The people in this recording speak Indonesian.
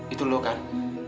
itu lu kan